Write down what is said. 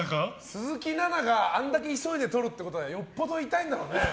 鈴木奈々があれだけ急いで取るっていうのはよっぽど痛いんだろうね。